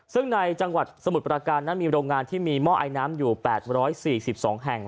ซึ่งในจังหวัดสมุทรประการนั้นมีโรงงานที่มีหม้อไอน้ำอยู่๘๔๒แห่ง